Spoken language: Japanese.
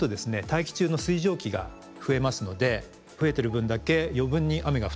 大気中の水蒸気が増えますので増えてる分だけ余分に雨が降ってしまう。